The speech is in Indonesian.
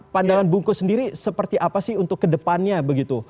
pandangan bungkus sendiri seperti apa sih untuk kedepannya begitu